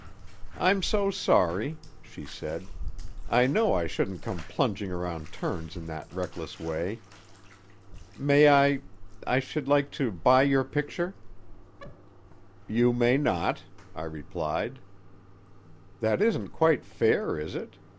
"I'm so sorry!" she said. "I know I shouldn't come plunging around turns in that reckless way. May I—I should like to—buy your picture?" "You may not," I replied. "That isn't quite fair, is it?"